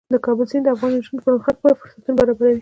د کابل سیند د افغان نجونو د پرمختګ لپاره فرصتونه برابروي.